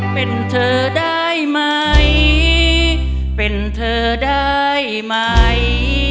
เป็นเธอได้ไหมเป็นเธอได้ไหม